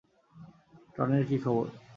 টনির কি খবর?